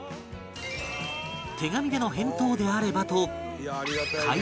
手紙での返答であればと快諾